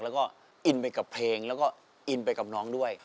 แล้วก็อินไปกับเพลงแล้วก็อินไปกับน้องด้วย